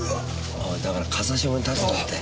おいだから風下に立つなって。